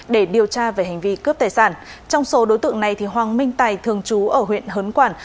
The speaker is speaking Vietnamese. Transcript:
để điều tra về hành vi cướp tài sản trong số đối tượng này hoàng minh tài thường trú ở huyện hớn quản